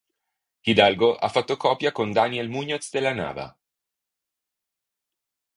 Hidalgo ha fatto coppia con Daniel Muñoz de la Nava.